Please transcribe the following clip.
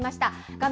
画面